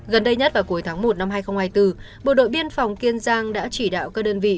gần đây nhất vào cuối tháng một năm hai nghìn hai mươi bốn bộ đội biên phòng kiên giang đã chỉ đạo các đơn vị